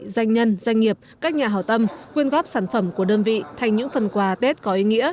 doanh nhân doanh nghiệp các nhà hào tâm quyên góp sản phẩm của đơn vị thành những phần quà tết có ý nghĩa